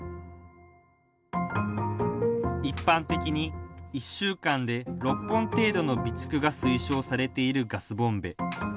一般的に、１週間で６本程度の備蓄が推奨されているガスボンベ。